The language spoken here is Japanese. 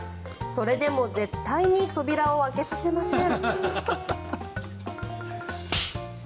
それでも絶対に扉を開けさせません。